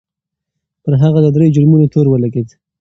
پر هغه د درې جرمونو تور ولګېد.